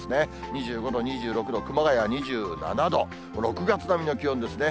２５度、２６度、熊谷は２７度、６月並みの気温ですね。